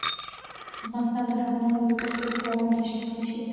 افغانستان تر هغو نه ابادیږي، ترڅو لیکوالان تشویق نشي.